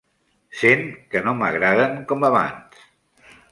Sent que no m'agraden com abans.